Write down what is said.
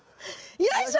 よいしょ。